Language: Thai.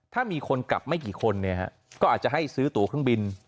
ถ้ามีคนกลับไม่กี่คนก็อาจจะให้ซื้อตัวเครื่องบิน